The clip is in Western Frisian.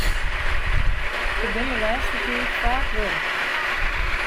Ik bin de lêste tiid faak warch.